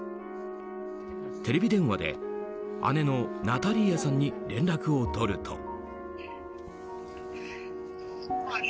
テレビ電話で姉のナタリーアさんに連絡を取ると。